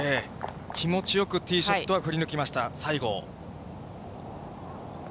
気持ちよくティーショットは振り抜きました、西郷。